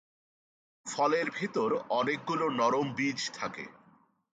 ফলের ভিতরে অনেকগুলো নরম বীজ থাকে।